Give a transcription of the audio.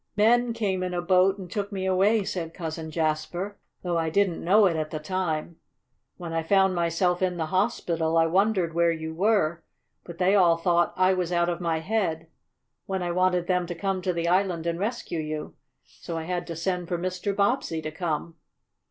"Men came in a boat and took me away," said Cousin Jasper, "though I didn't know it at the time. When I found myself in the hospital I wondered where you were, but they all thought I was out of my head when I wanted them to come to the island and rescue you. So I had to send for Mr. Bobbsey to come."